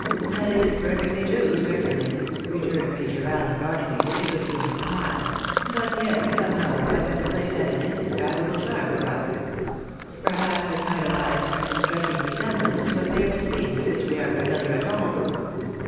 " That is perfectly true, certainly," returned Major Allen SANDHURST AN1> WEST rOlNT. 293 Baxnaby, witli a good humoured smile ;" but yet, somehow or other, the place had an indescribable charm for us. Perhaps it might arise from its striking resemblance to a favourite scene with which we are familiar at home."